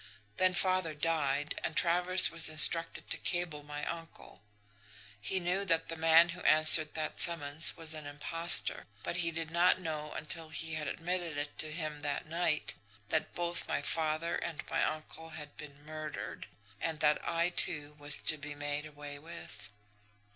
Then father died, and Travers was instructed to cable my uncle. He knew that the man who answered that summons was an impostor; but he did not know, until they had admitted it to him that night, that both my father and my uncle had been murdered, and that I, too, was to be made away with."